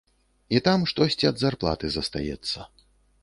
І там штосьці ад зарплаты застаецца.